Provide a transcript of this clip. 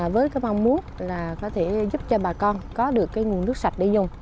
với cái mong muốn là có thể giúp cho bà con có được cái nguồn nước sạch để dùng